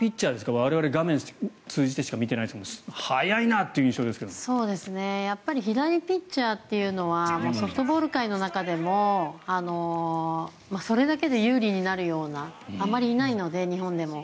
我々は画面を通じてしか見ていないですが左ピッチャーというのはソフトボール界の中でもそれだけで有利になるようなあまりいないので、日本でも。